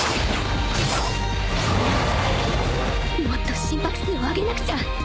もっと心拍数を上げなくちゃ